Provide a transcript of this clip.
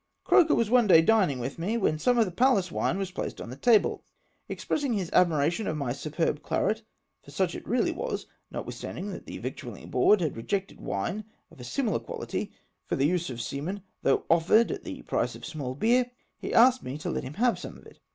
Croker was one day dining with me, when some of the Pallas \vine was placed on the table. Expressing his admu ation of my " superb claret," for such it really was, notwithstanding that the Victualhng Board had rejected wine of a similar quahty for the use of seamen, though offered at the price of small beer, he asked me to lot him have some of it.